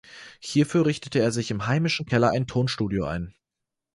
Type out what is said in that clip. Hierfür richtete er sich im heimischen Keller ein Tonstudio ein.